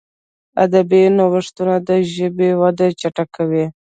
ادبي نوښتونه د ژبي وده چټکوي.